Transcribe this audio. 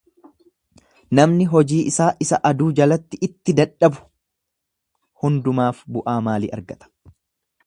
Namni hojii isaa isa aduu jalatti itti dadhabu hundumaaf, bu'aa maalii argata?